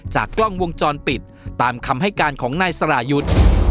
กล้องวงจรปิดตามคำให้การของนายสรายุทธ์